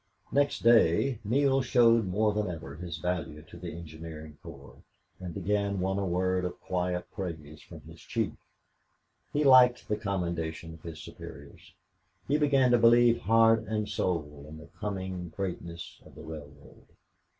Next day Neale showed more than ever his value to the engineering corps, and again won a word of quiet praise from his chief. He liked the commendation of his superiors. He began to believe heart and soul in the coming greatness of the railroad.